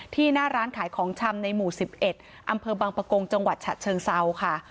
หน้าร้านขายของชำในหมู่๑๑อำเภอบังปะกงจังหวัดฉะเชิงเซาค่ะ